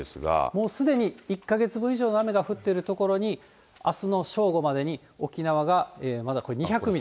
もうすでに、１か月分以上の雨が降っているところに、あすの正午までに沖縄がまだこれ２００ミリ。